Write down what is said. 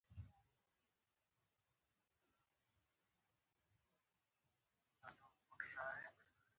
د ځینو خلکو لپاره غوښه خوراکي ضرورت دی.